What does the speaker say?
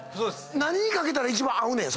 何に掛けたら一番合うねん？